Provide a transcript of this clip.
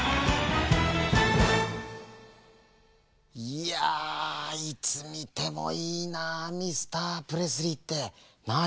いやいつみてもいいなあミスタープレスリーって。なあ？